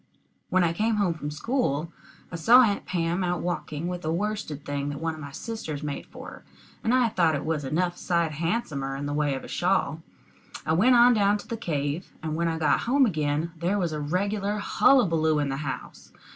When I came home from school, I saw Aunt Pam out walking with a worsted thing that one of my sisters made for her, and I thought it was enough sight handsomer in the way of a shawl. I went on down to the cave, and when I got home again there was a regular hullabulloo in the house.